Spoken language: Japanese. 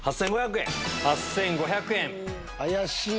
８５００円。